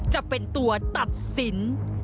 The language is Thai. จะเป็นตัวตัดสิน